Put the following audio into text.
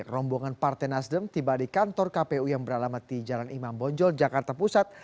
rombongan partai nasdem tiba di kantor kpu yang beralamat di jalan imam bonjol jakarta pusat